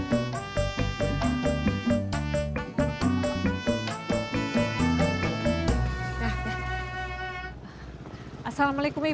lima dolar lagi ini